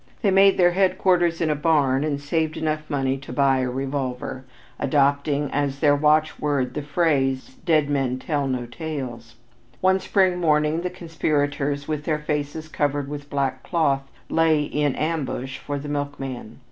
They made their headquarters in a barn and saved enough money to buy a revolver, adopting as their watchword the phrase "Dead Men Tell no Tales." One spring morning the conspirators, with their faces covered with black cloth, lay "in ambush" for the milkman.